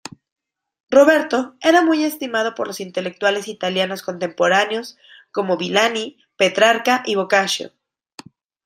Roberto era muy estimado por los intelectuales italianos contemporáneos como Villani, Petrarca y Boccaccio.